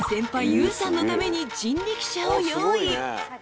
ＹＯＵさんのために人力車を用意］